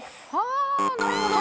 あなるほど。